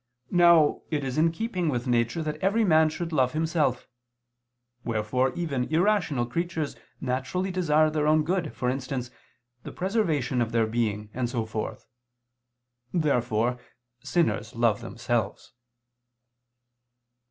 Now it is in keeping with nature that every man should love himself: wherefore even irrational creatures naturally desire their own good, for instance, the preservation of their being, and so forth. Therefore sinners love themselves.